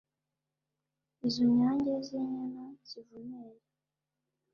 Izo nyange z'inyana zivumere